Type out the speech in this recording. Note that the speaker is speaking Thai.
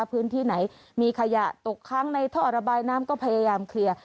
พื้นที่ไหนมีขยะตกค้างในท่อระบายน้ำก็พยายามเคลียร์